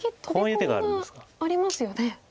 トビ込みがありますよね。